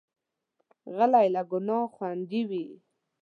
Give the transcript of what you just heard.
غلی، له ګناه خوندي وي.